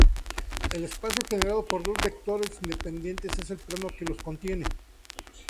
El espacio generado por dos vectores independientes es el plano que los contiene.